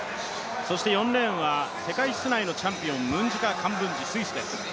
そして４レーンは世界室内のチャンピオン、カンブンジ、スイスです。